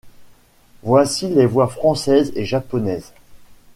Voici les voix françaises et japonaises.